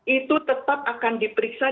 itu tetap akan diperiksa